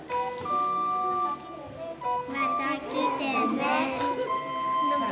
また来てね。